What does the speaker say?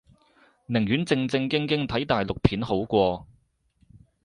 寧願正正經經睇大陸片好過